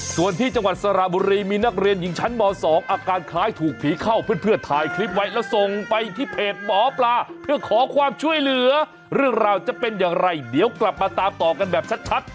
ส่วนที่จังหวัดสระบุรีมีนักเรียนหญิงชั้นม๒อาการคล้ายถูกผีเข้าเพื่อนถ่ายคลิปไว้แล้วส่งไปที่เพจหมอปลาเพื่อขอความช่วยเหลือเรื่องราวจะเป็นอย่างไรเดี๋ยวกลับมาตามต่อกันแบบชัด